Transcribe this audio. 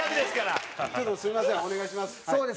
ちょっと、すみませんお願いします。